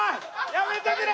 やめてくれ！